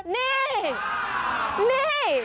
นี่